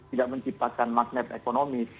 tidak menciptakan magnet ekonomi